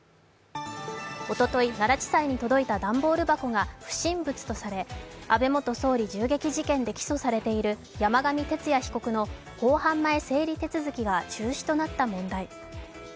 おととい、奈良地裁に届いた段ボール箱が不審物とされ、安倍元総理銃撃事件で起訴されている山上徹也被告の公判前整理手続が中止となった問題。